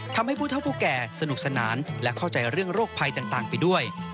ทำให้ผู้เท่าผู้แก่สนุกสนานและเข้าใจเรื่องโรคภัยต่างไปด้วย